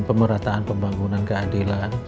pemerataan pembangunan keadilan